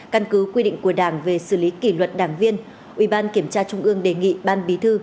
căn cứ quy định của đảng về xử lý kỷ luật đảng viên ủy ban kiểm tra trung ương đề nghị ban bí thư